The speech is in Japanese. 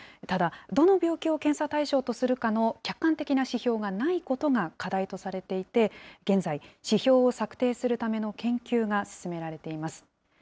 ただ、どの病気を検査対象とするかの客観的な指標がないことが課題とされていて、現在、指標を策定するための研究が進められています。